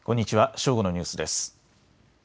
正午のニュースです。